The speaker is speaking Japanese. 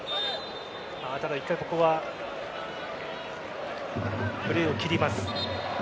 ただ、１回ここはプレーを切ります。